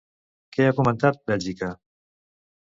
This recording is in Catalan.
Què ha comentat Bèlgica?